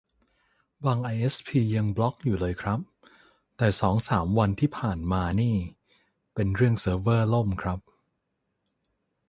บางไอเอสพียังบล็อคอยู่เลยครับ แต่สองสามวันที่ผ่านมานี่ เป็นเรื่องเซิร์ฟเวอร์ล่มครับ